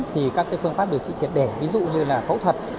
thì các phương pháp điều trị triệt đẻ ví dụ như là phẫu thuật